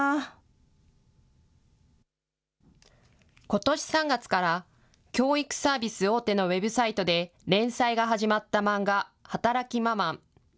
ことし３月から、教育サービス大手のウェブサイトで連載が始まった漫画、働きママン。